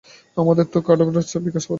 আমাদেরও তো কার্ডটার্ড ছাপাতে হয়।